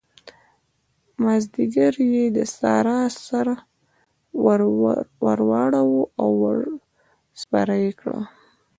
مازديګر يې د سارا سر ور واړاوو او ور سپره يې کړه.